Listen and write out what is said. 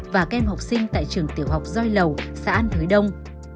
và các em học sinh tại trường tiểu học doi lầu xã an thới đông